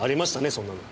そんなの。